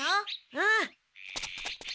うん。